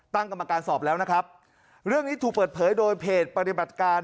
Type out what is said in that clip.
ตั้งกรรมการสอบแล้วนะครับเรื่องนี้ถูกเปิดเผยโดยเพจปฏิบัติการ